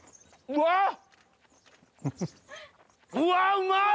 うわうまい！